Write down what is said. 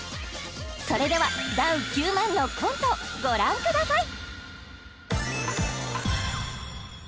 それではダウ９００００のコントご覧ください